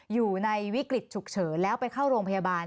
อยู่ในวิกฤตฉุกเฉินแล้วไปเข้าโรงพยาบาล